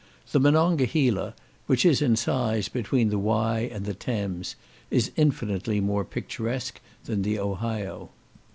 The Monongahela, which is in size between the Wye and the Thames, is infinitely more picturesque than the Ohio.